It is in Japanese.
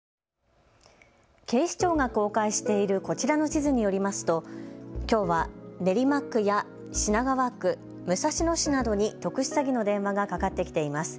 警視庁が公開しているこちらの地図によりますときょうは練馬区や品川区、武蔵野市などに特殊詐欺の電話がかかってきています。